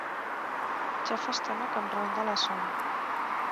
Ja fa estona que em ronda la son.